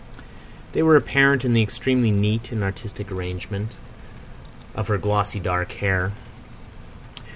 They were apparent in the extremely neat and artistic arrangement of her glossy dark hair.